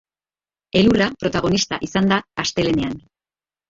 Elurra protagonista izan da astelehenean.